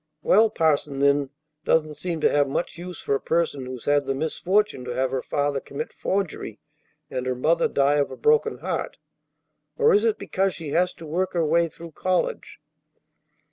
"Well, parson, then doesn't seem to have much use for a person who's had the misfortune to have her father commit forgery and her mother die of a broken heart, or is it because she has to work her way through college?